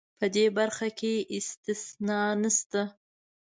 په دې برخه کې استثنا نشته.